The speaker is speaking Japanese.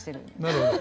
なるほど。